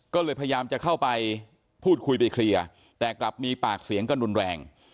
ก็เลยพยายามจะเข้าไปพูดคุยไปเคลียร์แต่กลับมีปากเสียงกันรุนแรง